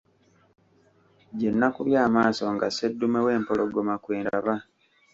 Gye nakubye amaaso nga sseddume w'empologoma kwe ndaba.